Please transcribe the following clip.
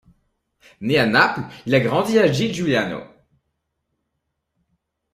Né à Naples, il a grandi à Giugliano.